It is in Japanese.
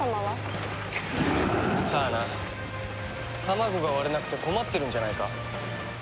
卵が割れなくて困ってるんじゃないか。